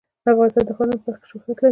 افغانستان د ښارونو په برخه کې شهرت لري.